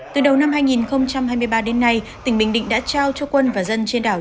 từ đầu năm hai nghìn hai mươi ba đến nay tỉnh bình định đã trao cho quân và dân trên đảo